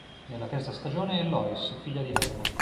Nella terza stagione è Lois, figlia di Helena.